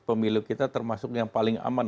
pemilu kita termasuk yang paling aman